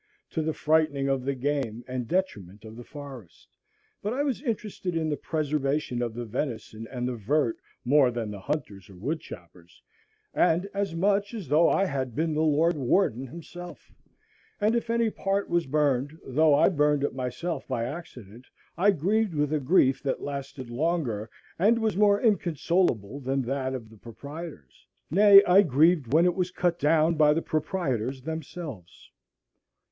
to the frightening of the game and the detriment of the forest. But I was interested in the preservation of the venison and the vert more than the hunters or woodchoppers, and as much as though I had been the Lord Warden himself; and if any part was burned, though I burned it myself by accident, I grieved with a grief that lasted longer and was more inconsolable than that of the proprietors; nay, I grieved when it was cut down by the proprietors themselves.